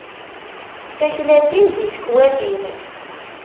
Taklatin di tekwatin.